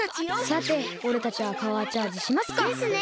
さておれたちはパワーチャージしますか。ですね！